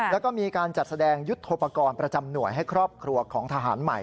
แล้วก็มีการจัดแสดงยุทธโปรกรณ์ประจำหน่วยให้ครอบครัวของทหารใหม่